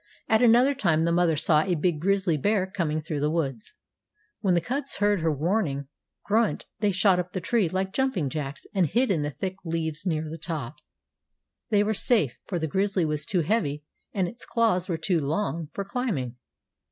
At another time the mother saw a big grizzly bear coming through the woods. When the cubs heard her warning grunt they shot up the tree like jumping jacks, and hid in the thick leaves near the top. There they were safe, for the grizzly was too heavy, and its claws were too long, for climbing.